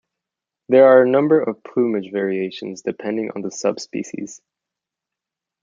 There are a number of plumage variations depending on the sub-species.